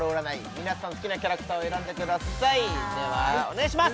皆さん好きなキャラクターを選んでくださいではお願いします！